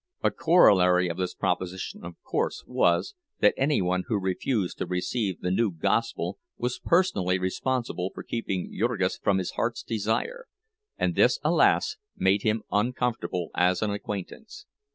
A corollary of this proposition of course was, that any one who refused to receive the new gospel was personally responsible for keeping Jurgis from his heart's desire; and this, alas, made him uncomfortable as an acquaintance.